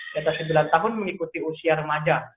di atas sembilan tahun mengikuti usia remaja